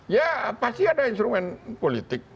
ya pasti ada instrumen politik